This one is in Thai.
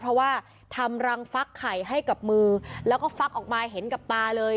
เพราะว่าทำรังฟักไข่ให้กับมือแล้วก็ฟักออกมาเห็นกับตาเลย